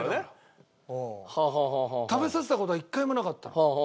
食べさせた事は一回もなかったの。